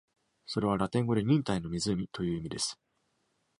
それはラテン語で忍耐の湖という名前です。